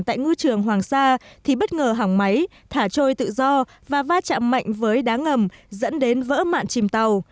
tại ngư trường hoàng sa thì bất ngờ hỏng máy thả trôi tự do và va chạm mạnh với đá ngầm dẫn đến vỡ mạn chìm tàu